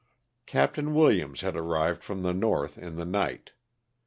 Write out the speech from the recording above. " Capt. Williams had arrived from the north in the night.